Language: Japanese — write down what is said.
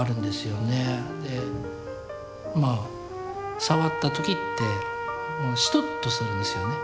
でまあ触った時ってシトッとするんですよね